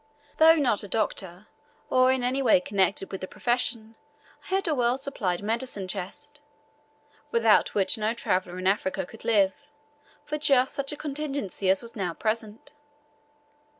Though not a doctor, or in any way connected with the profession, I had a well supplied medicine chest without which no traveller in Africa could live for just such a contingency as was now present.